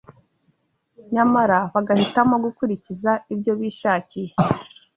nyamara bagahitamo gukurikiza ibyo bishakiye